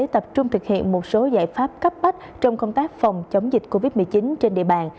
tập trung thực hiện một số giải pháp cấp bách trong công tác phòng chống dịch covid một mươi chín trên địa bàn